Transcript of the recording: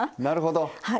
なるほど。